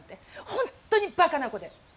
本当にバカな子で。